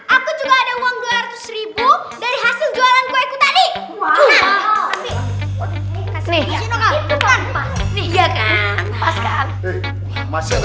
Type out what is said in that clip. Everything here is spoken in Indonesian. aku juga ada uang dua ratus ribu dari hasil jualan kueku tadi